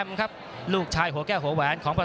พี่น้องอ่ะพี่น้องอ่ะ